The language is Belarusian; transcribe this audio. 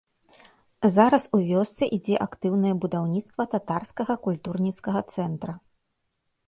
Зараз у вёсцы ідзе актыўнае будаўніцтва татарскага культурніцкага цэнтра.